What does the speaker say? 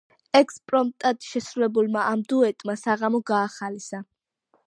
ექსპრომტად შესრულებულმა ამ დუეტმა საღამო გაახალისა.